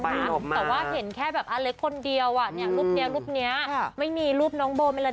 แต่ว่าเห็นแค่แบบอเล็กคนเดียวรูปนี้รูปนี้ไม่มีรูปน้องโบไปเลย